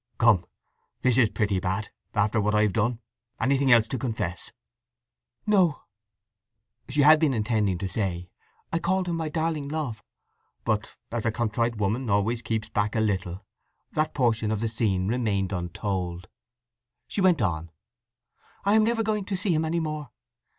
"Come—this is pretty bad, after what I've done! Anything else to confess?" "No." She had been intending to say: "I called him my darling Love." But, as a contrite woman always keeps back a little, that portion of the scene remained untold. She went on: "I am never going to see him any more.